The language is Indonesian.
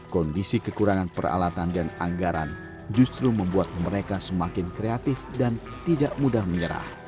kondisi kekurangan peralatan dan anggaran justru membuat mereka semakin kreatif dan tidak mudah menyerah